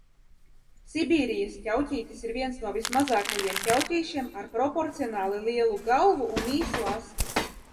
Sibīrijas ķauķītis ir viens no vismazākajiem ķauķīšiem ar proporcionāli lielu galvu un īsu asti.